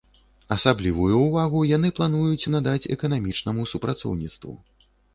Асаблівую ўвагу яны плануюць надаць эканамічнаму супрацоўніцтву.